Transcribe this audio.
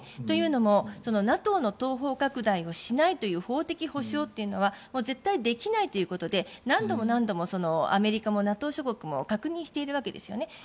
というのもＮＡＴＯの東方拡大をしないという法的保証というのは絶対できないということで何度もアメリカもＮＡＴＯ諸国も確認しているわけですよね。